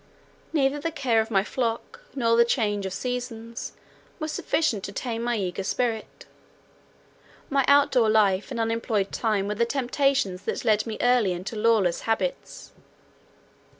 Neither the care of my flock, nor the change of seasons, were sufficient to tame my eager spirit; my out door life and unemployed time were the temptations that led me early into lawless habits.